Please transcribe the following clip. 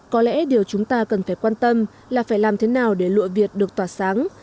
có lẽ điều chúng ta cần phải quan tâm là phải làm thế nào để lụa việt được tỏa sáng